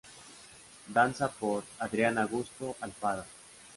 Danza por: Adrián Augusto Alfaro